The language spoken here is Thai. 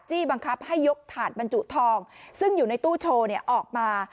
บังคับให้ยกถาดบรรจุทองซึ่งอยู่ในตู้โชว์ออกมา